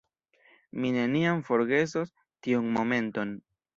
Mi neniam forgesos tiun momenton.